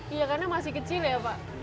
iya karena masih kecil ya pak